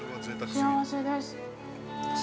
◆幸せです。